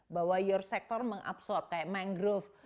bahwa your sector mengabsorb kayak mangrove